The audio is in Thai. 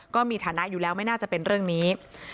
ก็มีฐานะอยู่แล้วไม่น่าจะเป็นเรื่องนี้